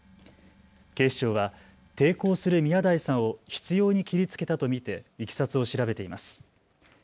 警視庁は抵抗する宮台さんを執ように切りつけたと見ていきさつを調べています。